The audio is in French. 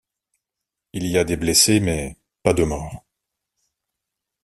Il y a des blessés mais, pas de mort.